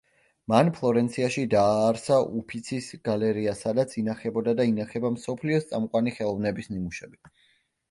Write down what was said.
მან ფლორენციაში დააარსა უფიცის გალერეა სადაც ინახებოდა და ინახება მსოფლიოს წამყვანი ხელოვნების ნიმუშები.